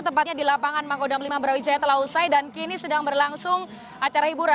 tepatnya di lapangan makodam lima brawijaya telah usai dan kini sedang berlangsung acara hiburan